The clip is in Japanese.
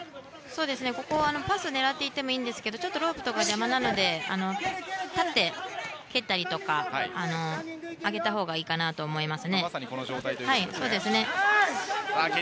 パスを狙ってもいいですがちょっとロープが邪魔なので立って蹴ったりとか上げたほうがいいと思います。